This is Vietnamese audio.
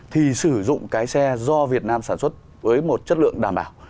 thì sử dụng cái xe do việt nam sản xuất với một chất lượng đảm bảo